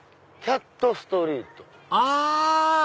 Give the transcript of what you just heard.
キャットストリート。